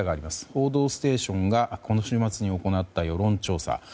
「報道ステーション」がこの週末に行った世論調査です。